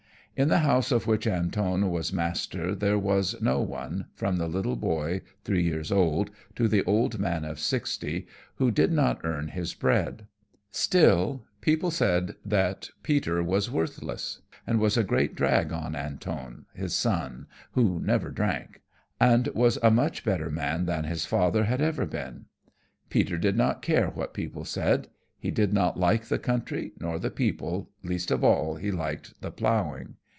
In the house of which Antone was master there was no one, from the little boy three years old, to the old man of sixty, who did not earn his bread. Still people said that Peter was worthless, and was a great drag on Antone, his son, who never drank, and was a much better man than his father had ever been. Peter did not care what people said. He did not like the country, nor the people, least of all he liked the plowing.